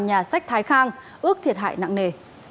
nhà sách thái khang ước thiệt hại nặng nề